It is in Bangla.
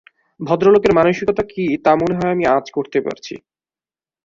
ভদ্রলোকের মানসিকতা কী তা মনে হয় আমি আঁচ করতে পারছি।